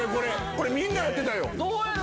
これみんなやってたよ。